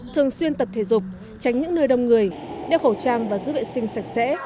thường xuyên tập thể dục tránh những nơi đông người đeo khẩu trang và giữ vệ sinh sạch sẽ